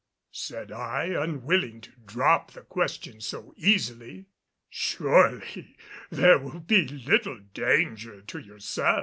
said I, unwilling to drop the question so easily. "Surely, there will be little danger to yourself."